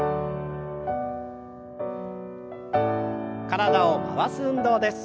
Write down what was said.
体を回す運動です。